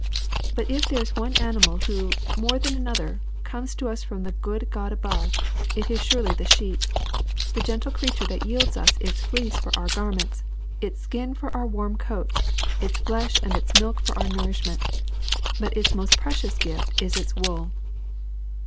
But if there is one anini'vll;!r.t, moio than another, comes to us from the good God above, it is sureh^ the sheep, the gentle creature that yields us its fleece for our garments, its skin for our warm coats, its flesh and its milk for our nourislmient. But its most precious gift is its wool.